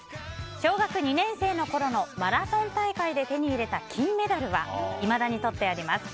小学２年生のころのマラソン大会で手に入れた金メダルはいまだにとってあります。